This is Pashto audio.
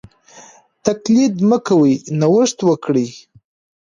تقليد مه کوئ نوښت وکړئ.